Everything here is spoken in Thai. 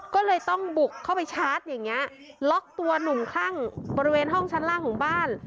ก็เลยต้องบุกเข้าไปชาร์จอย่างนี้ล็อกตัวหนุ่มคลั่งบริเวณห้องชั้นล่างของบ้าน